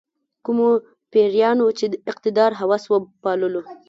کومو پیریانو چې اقتدار هوس وپاللو.